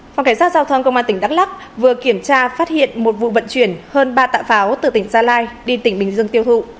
phòng cảnh sát giao thông công an tỉnh đắk lắc vừa kiểm tra phát hiện một vụ vận chuyển hơn ba tạ pháo từ tỉnh gia lai đi tỉnh bình dương tiêu thụ